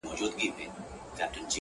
خــو ســــمـدم ـ